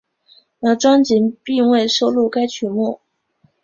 而专辑并未收录该曲目。